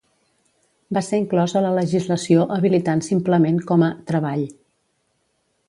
Va ser inclòs a la legislació habilitant simplement com a "Treball".